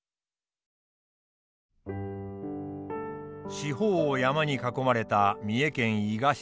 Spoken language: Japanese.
四方を山に囲まれた三重県伊賀市。